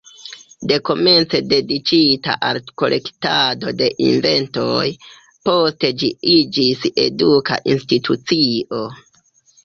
Dekomence dediĉita al kolektado de inventoj, poste ĝi iĝis eduka institucio.